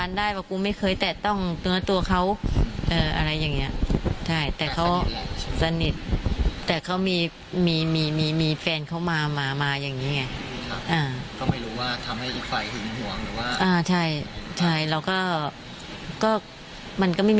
อยากรู้ว่ามันเกิดอะไรขึ้น